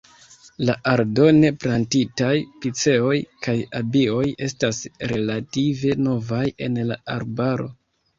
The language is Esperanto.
La aldone plantitaj piceoj kaj abioj estas relative novaj en la arbaro.